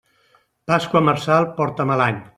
Pasqua marçal porta mal any.